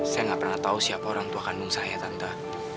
saya nggak pernah tahu siapa orang tua kandung saya tante